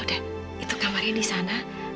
udah itu kamarnya di sana